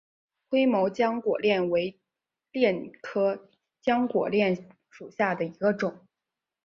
灰毛浆果楝为楝科浆果楝属下的一个种。